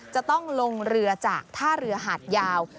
จะต้องลงเรือจากท่าเรือหาดยาว